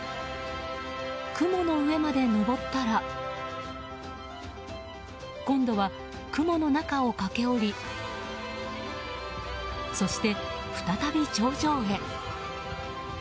雲の上まで登ったら今度は、雲の中を駆け下りそして、再び頂上へ。